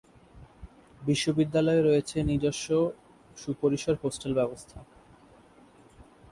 বিশ্ববিদ্যালয়ে রয়েছে নিজস্ব সুপরিসর হোস্টেল ব্যবস্থা।